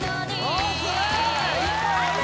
ＯＫ！